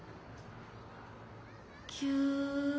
キューン。